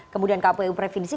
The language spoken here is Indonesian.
kemudian kpu provinsi